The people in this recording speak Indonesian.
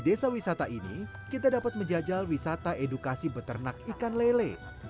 desa wisata ini juga memproduksi abon lele